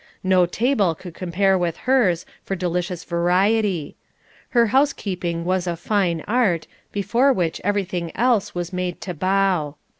No table could compare with hers for delicious variety. Her housekeeping was a fine art, before which everything else was made to bow.